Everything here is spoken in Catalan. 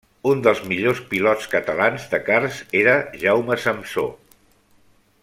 Un dels millors pilots catalans de karts era Jaume Samsó.